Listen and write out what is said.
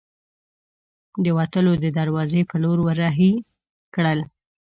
د وتلو د دراوزې په لور ور هۍ کړل.